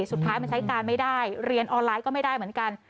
สุดท้ายมันใช้การไม่ได้เรียนออนไลน์ก็ไม่ได้เหมือนกัน